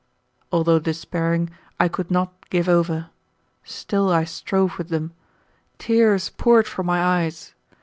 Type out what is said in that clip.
Although despairing, I could not give over. Still I strove with them. Tears poured from my eyes.